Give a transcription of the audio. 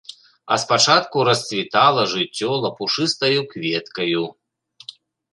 А спачатку расцвітала жыццё лапушыстаю кветкаю.